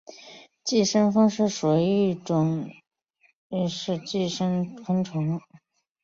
寄生蜂就属于一种拟寄生昆虫。